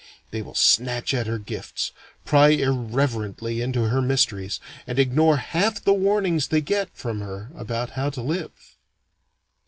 They will snatch at her gifts, pry irreverently into her mysteries, and ignore half the warnings they get from her about how to live.